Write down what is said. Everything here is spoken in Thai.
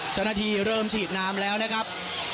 เจ้าหน้าที่เริ่มฉีดน้ำแล้วนะครับ